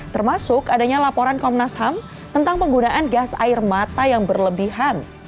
termasuk adanya laporan komnas ham tentang penggunaan gas air mata yang berlebihan